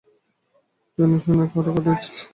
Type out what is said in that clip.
তিনি সাধনা করে কাটিয়েছেন।